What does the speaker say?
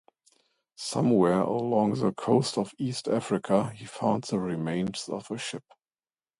Somewhere along the coast of East Africa, he found the remains of a ship.